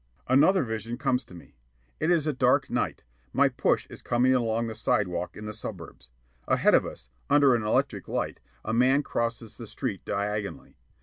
Another vision comes to me. It is a dark night. My push is coming along the sidewalk in the suburbs. Ahead of us, under an electric light, a man crosses the street diagonally.